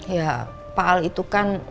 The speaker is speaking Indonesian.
ya paal itu kan